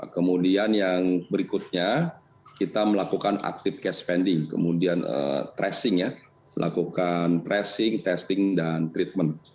kemudian yang berikutnya kita melakukan active cash spending kemudian tracing ya melakukan tracing testing dan treatment